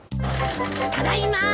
ただいま！